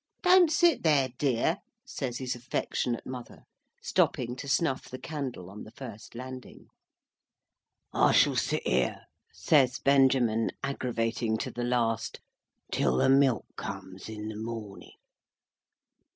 "Don't sit there, dear," says his affectionate mother, stopping to snuff the candle on the first landing. "I shall sit here," says Benjamin, agravating to the last, "till the milk comes in the morning."